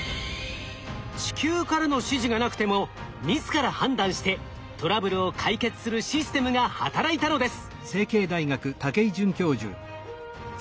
地球からの指示がなくても自ら判断してトラブルを解決するシステムが働いたのです。